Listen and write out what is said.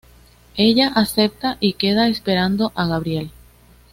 Ella acepta y queda esperando a Gabriel.